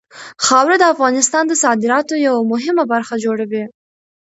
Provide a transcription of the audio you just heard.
خاوره د افغانستان د صادراتو یوه مهمه برخه جوړوي.